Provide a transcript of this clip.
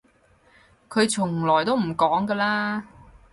佢從來都唔講㗎啦